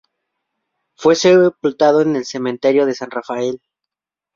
Fue sepultado en el cementerio de San Rafael.